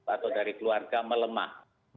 atau dari keluarga melemah